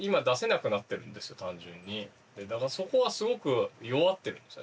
そこはすごく弱ってるんですね